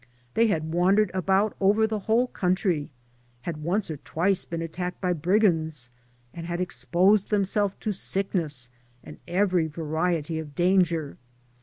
They had wandered about over the whole country, had once or twice been attacked by brigands, and had exposed themselves to sickness and every variety of danger.